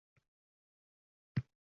Bankda hisob raqamingiz bormi?